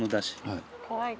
はい。